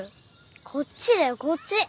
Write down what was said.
こっちだよこっち。